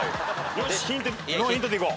よしノーヒントでいこう。